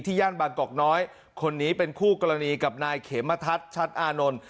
ย่านบางกอกน้อยคนนี้เป็นคู่กรณีกับนายเขมทัศน์ชัดอานนท์